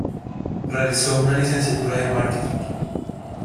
Realizó una licenciatura de Marketing.